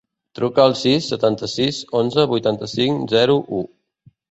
Truca al sis, setanta-sis, onze, vuitanta-cinc, zero, u.